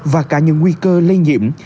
và cả những nguy cơ lây nhiệm